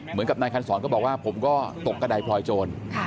เหมือนกับนายคันศรก็บอกว่าผมก็ตกกระดายพลอยโจร